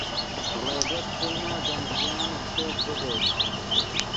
ڕێگەت پێ نادەم ژیانت تێک بدەیت.